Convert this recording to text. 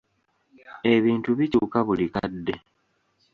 Ebintu bikyuka buli kadde.